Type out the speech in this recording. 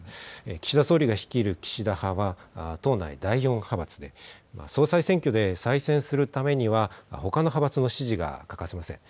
岸田総理が率いる岸田派は党内第４派閥で、総裁選挙で再選するためには、ほかの派閥の支持が欠かせません。